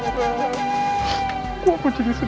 di portal bertujuan